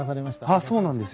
あっそうなんですよ。